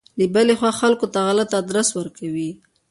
له بلې خوا خلکو ته غلط ادرس ورکوي.